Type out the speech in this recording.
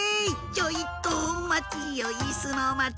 「ちょいとおまちよいすのまち」